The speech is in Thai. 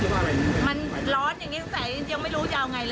แต่ยังไม่รู้ภายในว่าเปิดออกมามันจะสภาพแบบไหนนะแต่ตอนนี้เรายังไม่รู้